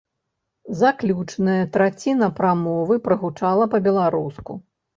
Заключная траціна прамовы прагучала па-беларуску.